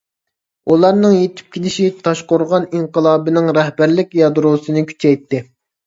ئۇلارنىڭ يېتىپ كېلىشى تاشقورغان ئىنقىلابىنىڭ رەھبەرلىك يادروسىنى كۈچەيتتى.